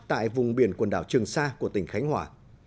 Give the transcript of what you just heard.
tại vùng biển quần đảo trường sa của tỉnh khánh hòa